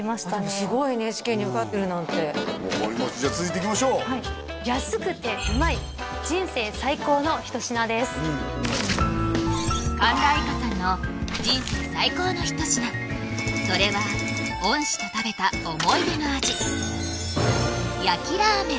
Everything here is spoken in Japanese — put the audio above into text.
すごいＮＨＫに受かってるなんて分かりましたじゃあ続いていきましょう安くてうまい人生最高の一品です神田愛花さんの人生最高の一品それは恩師と食べた思い出の味